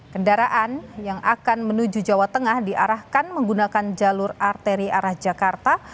kendaraan yang akan menuju jawa tengah diarahkan menggunakan jalur arteri arah jakarta